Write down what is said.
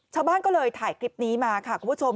ชาวบ้านก็เลยถ่ายคลิปนี้มาค่ะคุณผู้ชม